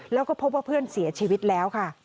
แล้วก็พบว่าเพื่อนเสียชีวิตแล้วค่ะ